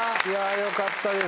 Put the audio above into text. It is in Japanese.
よかったです